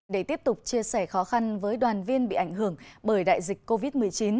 để tiếp tục chia sẻ khó khăn với đoàn viên bị ảnh hưởng bởi đại dịch covid một mươi chín